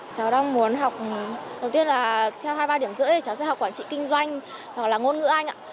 cháu đang muốn học đầu tiên là theo hai mươi ba điểm rưỡi thì cháu sẽ học quản trị kinh doanh hoặc là ngôn ngữ anh ạ